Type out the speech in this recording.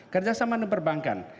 kerjasama dengan perbankan